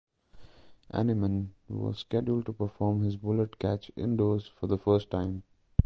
Annemann was scheduled to perform his bullet catch indoors for the first time.